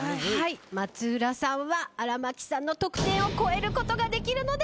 松浦さんは荒牧さんの得点を超えることができるのでしょうか？